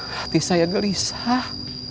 hati saya gelisah